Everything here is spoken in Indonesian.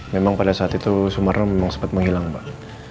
memang pada saat itu sumarno memang sempat menghilang pak